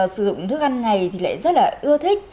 sử dụng thức ăn ngày thì lại rất là ưa thích